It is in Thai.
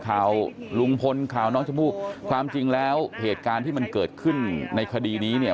ข่าวลุงพลข่าวน้องชมพู่ความจริงแล้วเหตุการณ์ที่มันเกิดขึ้นในคดีนี้เนี่ย